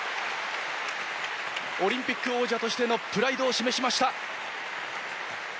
オリンピック王者としてのプライドを示しました。